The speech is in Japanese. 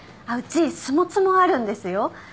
あっうち酢もつもあるんですよ。